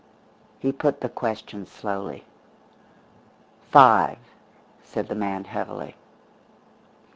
He put the question slowly. "Five," said the man heavily.